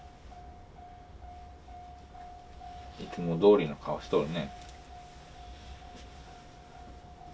いつもどおりの顔しとるね。